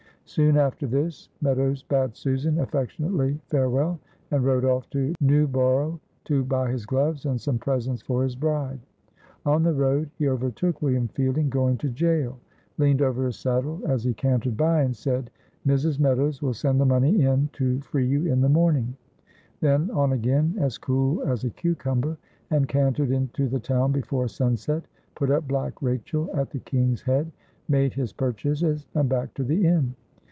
Soon after this Meadows bade Susan affectionately farewell, and rode off to Newborough to buy his gloves and some presents for his bride. On the road he overtook William Fielding going to jail, leaned over his saddle as he cantered by, and said, "Mrs. Meadows will send the money in to free you in the morning," then on again as cool as a cucumber and cantered into the town before sunset, put up black Rachel at the King's Head, made his purchases, and back to the inn.